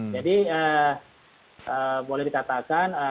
jadi boleh dikatakan